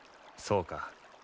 そうか。